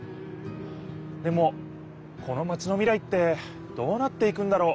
でもこのマチの未来ってどうなっていくんだろう？